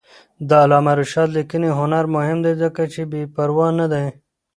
د علامه رشاد لیکنی هنر مهم دی ځکه چې بېپروا نه دی.